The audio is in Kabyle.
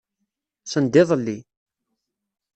Send-iḍelli.